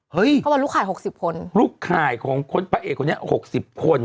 เขาบอกลูกข่าย๖๐คนลูกข่ายของพระเอกคนนี้๖๐คน